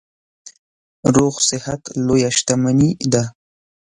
روغ صحت لویه شتنمي ده.